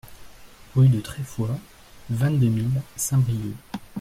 Rue de Trefois, vingt-deux mille Saint-Brieuc